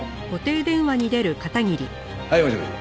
はいもしもし。